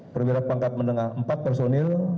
perwira pangkat menengah empat personil